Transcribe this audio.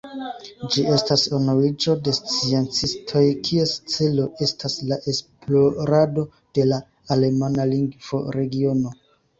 Ĝi estas unuiĝo de sciencistoj, kies celo estas la esplorado de la alemana lingvo-regiono.